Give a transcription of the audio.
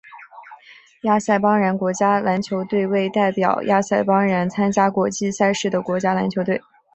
亚塞拜然国家篮球队为代表亚塞拜然参加国际赛事的国家篮球队。